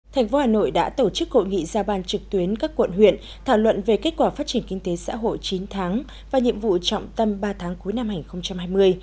thành phố hà nội đã tổ chức hội nghị ra ban trực tuyến các quận huyện thảo luận về kết quả phát triển kinh tế xã hội chín tháng và nhiệm vụ trọng tâm ba tháng cuối năm hai nghìn hai mươi